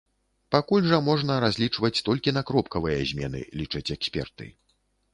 Пакуль жа можна разлічваць толькі на кропкавыя змены, лічаць эксперты.